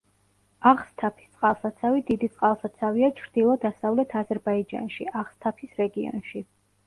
აღსთაფის წყალსაცავი დიდი წყალსაცავია ჩრდილო-დასავლეთ აზერბაიჯანში, აღსთაფის რეგიონში.